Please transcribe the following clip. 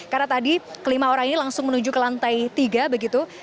karena tadi kelima orang ini langsung menuju ke lantai tiga begitu